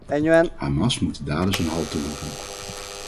Hamas moet de daders een halt toeroepen.